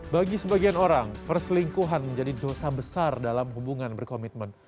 bagi sebagian orang perselingkuhan menjadi dosa besar dalam hubungan berkomitmen